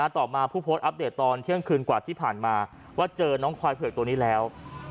ต่อมาผู้โพสต์อัปเดตตอนเที่ยงคืนกว่าที่ผ่านมาว่าเจอน้องควายเผือกตัวนี้แล้ว